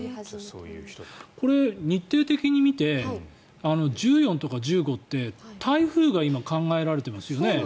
これ、日程的に見て１４とか１５って台風が今、考えられてますよね。